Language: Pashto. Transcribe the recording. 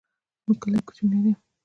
زمونږ کلی کوچنی دی